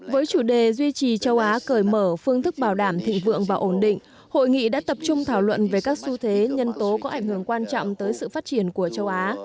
với chủ đề duy trì châu á cởi mở phương thức bảo đảm thịnh vượng và ổn định hội nghị đã tập trung thảo luận về các xu thế nhân tố có ảnh hưởng quan trọng tới sự phát triển của châu á